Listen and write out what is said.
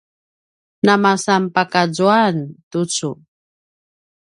namasanpakazuan tucu